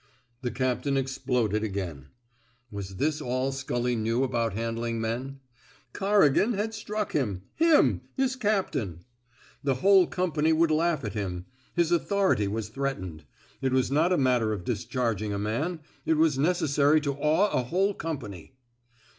The captain exploded again. Was this all Scully kaew about handling men! Cor rigan had struck him — himt — his captain. The whole company would laugh at him. His authority was threatened. It was not a matter of discharging a man. It was necessary to awe a whole company.